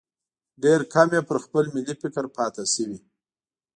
ډېر کم یې پر خپل ملي فکر پاتې شوي.